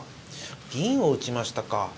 銀を打ちましたか。